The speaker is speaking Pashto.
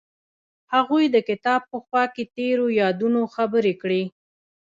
هغوی د کتاب په خوا کې تیرو یادونو خبرې کړې.